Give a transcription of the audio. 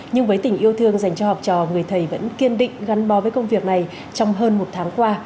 nhưng với tình yêu thương dành cho học trò người thầy vẫn kiên định gắn bó với công việc này trong hơn một tháng qua